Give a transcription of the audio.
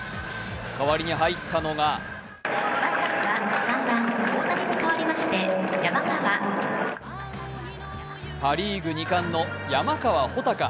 代わりに入ったのがパ・リーグ２冠の山川穂高。